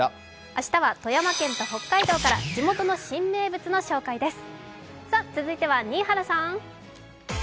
明日は富山県と北海道から地元の新名物の紹介です。